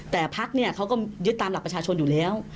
แต่พักเขาก็ยึดตามหลักประชาชนอยู่แล้ว